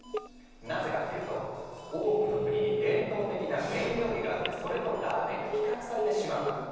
なぜかっていうと多くの国に伝統的な麺料理があってそれとラーメンが比較されてしまうから。